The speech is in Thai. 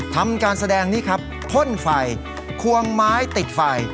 ทำการแสดงนี่ครับพ่นไฟควงไม้ติดไฟ